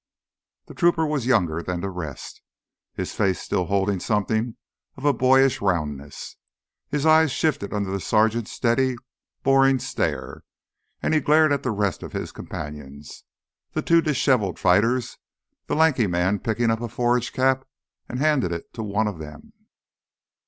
The trooper was younger than the rest, his face still holding something of a boyish roundness. His eyes shifted under the sergeant's steady, boring stare, and he glanced at the rest of his companions, the two disheveled fighters, the lanky man picking up a forage cap and handing it to one of them.